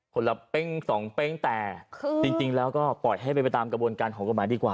คนละเป้งสองเป้งแต่จริงแล้วก็ปล่อยให้ไปตามกระบวนการของกลมไม้ดีกว่า